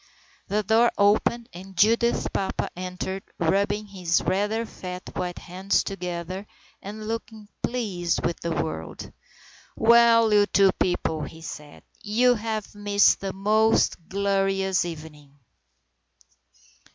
The door opened and Judith's papa entered, rubbing his rather fat white hands together and looking pleased with the world. "Well, you two people," he said. "You have missed a most glorious evening."